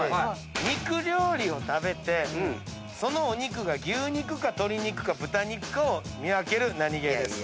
肉料理を食べてそのお肉が牛肉か鶏肉か豚肉かを見分けるナニゲーです。